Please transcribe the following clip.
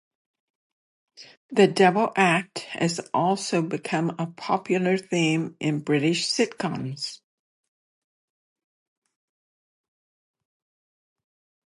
The double act has also become a popular theme in British sitcoms.